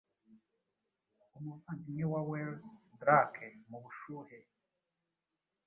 Umuvandimwe wa Wæls drake mubushuhe